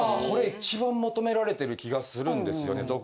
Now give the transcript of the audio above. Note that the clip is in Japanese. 今これ一番求められてる気がするんですよね